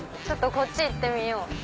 ちょっとこっち行ってみよう。